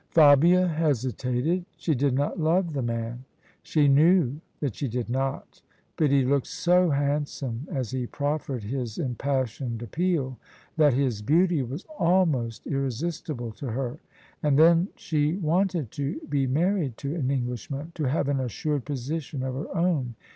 Fabia hesitated. She did not love the man: she knew that she did not : but he looked so handsome as he proffered his impassioned appeal that his beauty was almost irresisti ble to her. And then she wanted to be married to an Englishman; to have an assured position of her own.